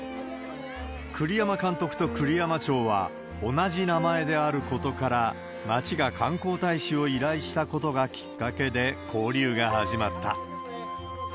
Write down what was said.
栗山監督と栗山町は同じ名前であることから、町が観光大使を依頼したことがきっかけで交流が始まった。